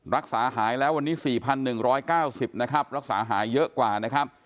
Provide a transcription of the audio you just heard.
รักษาหายแล้ววันนี้๔๑๙๐รักษาหายเยอะกว่า